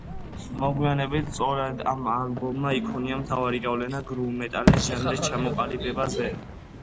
მოგვიანებით სწორედ ამ ალბომმა იქონია მთავარი გავლენა გრუვ მეტალის ჟანრის ჩამოყალიბებაზე.